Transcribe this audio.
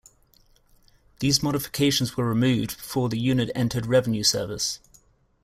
These modifications were removed before the unit entered revenue service.